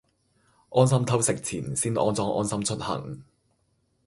安心偷食前先安裝安心出行